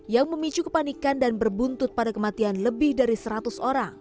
yang memicu kepanikan dan berbuntut pada kematian lebih dari seratus orang